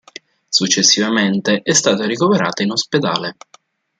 Successivamente è stata ricoverata in ospedale.